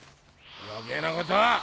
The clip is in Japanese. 余計なことを！